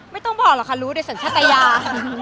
ไม่ต้องบอกหรอกค่ะรู้ในสัญชาตยา